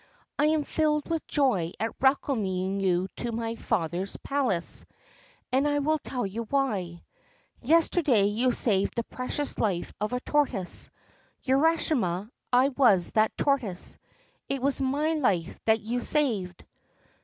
' I am filled with joy at welcoming you to my father's palace, and I will tell you why. Yesterday you saved the precious life of a tortoise. Urashima, I was that tortoise ! It was my life that you saved